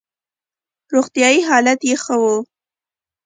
روغتیايي حالت یې ښه وو.